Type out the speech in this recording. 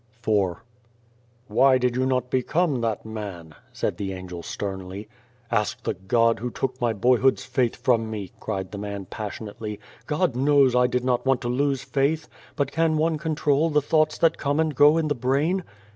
86 IV "Wnv did you not become that man?" said the Angel sternly. "Ask the God who took my boyhood's faith from me," cried the man passionately. " God knows I did not want to lose faith. But can one control the thoughts that come and go in the brain